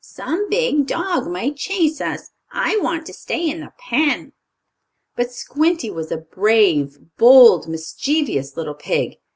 "Some big dog might chase us. I want to stay in the pen." But Squinty was a brave, bold, mischievous little pig.